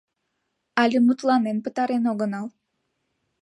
Але мутланен пытарен огынал.